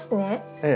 ええ。